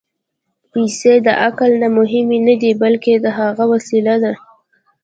پېسې د عقل نه مهمې نه دي، بلکې د هغه وسیله ده.